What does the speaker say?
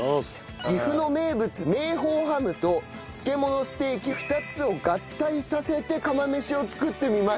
岐阜の名物明宝ハムと漬物ステーキ２つを合体させて釜飯を作ってみました。